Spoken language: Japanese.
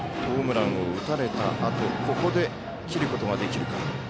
ホームランを打たれたあとここで、切ることができるか。